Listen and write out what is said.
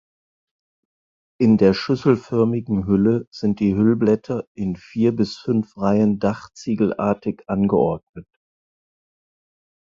In der schüsselförmigen Hülle sind die Hüllblätter in vier bis fünf Reihen dachziegelartig angeordnet.